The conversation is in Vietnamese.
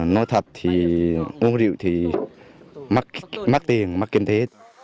nói thật thì uống rượu thì mắc tiền mắc kiếm thế